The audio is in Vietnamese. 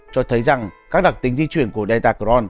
cho thấy rằng các đặc tính di chuyển của delta cron